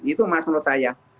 itu mas menurut saya